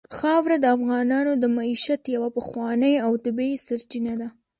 خاوره د افغانانو د معیشت یوه پخوانۍ او طبیعي سرچینه ده.